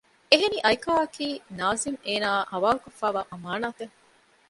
އެހެނީ އައިކާއަކީ ނާޒިމް އޭނާއާ ހަވާލުކޮށްފައިވާ އަމާނާތެއް